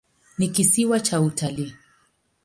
Ni kisiwa cha utalii.